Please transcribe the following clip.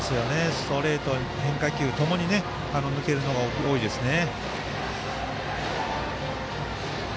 ストレート、変化球ともに抜けるのが多いですね。